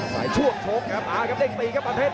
ซ้ายช่วงโชคครับอ่าครับเล็กตีครับมาเผ็ด